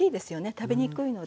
食べにくいので。